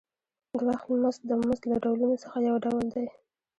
د وخت مزد د مزد له ډولونو څخه یو ډول دی